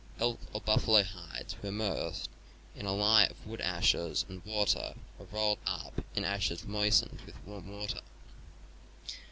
Elk or buffalo hides were immersed in a lye of wood ashes and water or rolled up in ashes moistened with warm water.